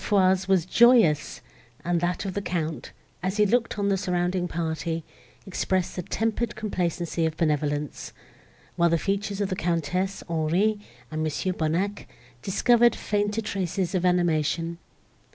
Foix's was joyous, and that of the Count, as he looked on the surrounding party, expressed the tempered complacency of benevolence; while the features of the Countess, Henri, and Mons. Bonnac, discovered fainter traces of animation.